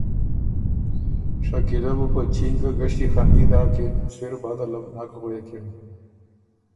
شکیله بُو په چینګه ګݭیخني داکِن سِر بده له بو نک غوېکِن۔